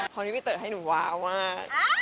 เพราะว่าพี่เต๋อให้หนูว้าวมาก